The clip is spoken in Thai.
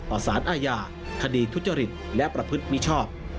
ต่อสารอาญาคดีทุจจฤทธิ์และประพฤติมิชอบ